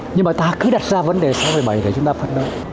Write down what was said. nhưng mà ta cứ đặt ra vấn đề sáu bảy để chúng ta phân đối